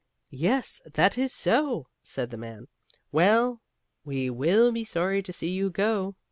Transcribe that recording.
"Yes, that is so," said the man. "Well, we will be sorry to see you go."